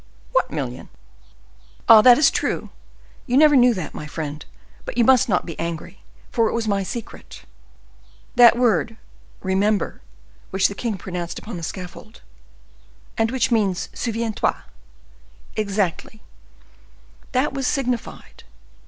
"What million?" "Ah, that is true! you never knew that, my friend; but you must not be angry, for it was my secret. That word 'REMEMBER' which the king pronounced upon the scaffold." "And which means 'souviens toi!'" "Exactly. That was signified.